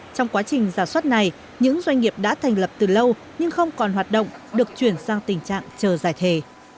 trong quá trình giả soát này những doanh nghiệp đã thành lập từ lâu nhưng không còn hoạt động được chuyển sang tình trạng chờ giải thề